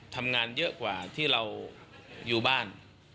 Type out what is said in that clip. ทำงานเยอะกว่าที่เราอยู่บ้าน